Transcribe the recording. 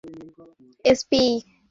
SP লাইনে আছেন।